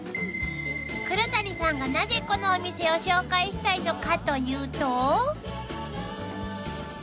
［黒谷さんがなぜこのお店を紹介したいのかというと］